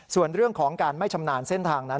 ส่วนเรื่องของการไม่ชำนาญเส้นทางนั้น